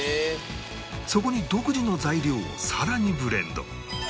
そこに独自の材料をさらにブレンド